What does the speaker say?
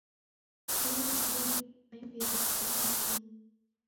ini ni ini wa imbiri kuvika mzinyi.